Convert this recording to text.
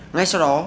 ngay sau đó